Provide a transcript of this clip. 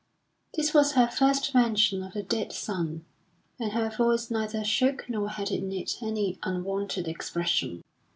This was her first mention of the dead son, and her voice neither shook nor had in it any unwonted expression.